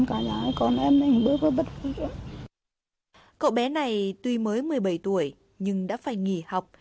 cậu bé này tuy mới một mươi bảy tuổi nhưng đã phải nghỉ học